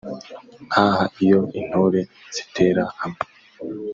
Nk'aha iyo intore zitera hamwe,